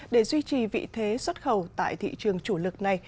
để duy trì vị thế xuất khẩu tại thị trường chủ lực này